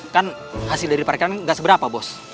kan hasil dari perekiran gak seberapa bos